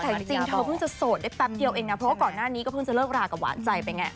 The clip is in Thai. แต่จริงเธอเพิ่งจะโสดได้แป๊บเดียวเองนะเพราะว่าก่อนหน้านี้ก็เพิ่งจะเลิกรากับหวานใจไปไง